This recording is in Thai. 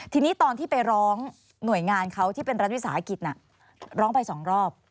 ทีนี้ตอนที่ไปร้องหน่วยงานเขาที่เป็นรัฐวิสาหกิจร้องไปสองรอบ